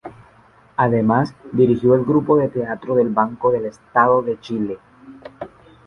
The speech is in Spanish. Además, dirigió el grupo de teatro del Banco del Estado de Chile.